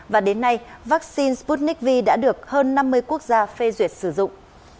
và đến nay vaccine sputnik v đã được hơn năm mươi quốc gia phê duyệt sử dụng